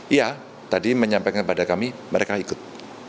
iya tadi menyampaikan kepada kami mereka ikut